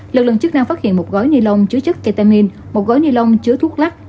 lực lượng chức năng phát hiện một gói ni lông chứa chất ketamin một gói ni lông chứa thuốc lắc